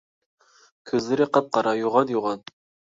كۆزلىرى قاپقارا، يوغان - يوغان.